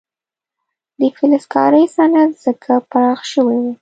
د فلزکارۍ صنعت ځکه پراخ شوی و.